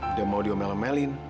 udah mau diomel omelin